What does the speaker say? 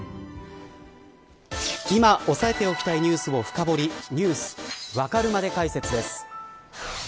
今、押さえておきたいニュースを深掘りニュースわかるまで解説です。